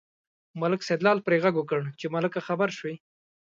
ملک سیدلال پرې غږ وکړ چې ملکه خبر شوې.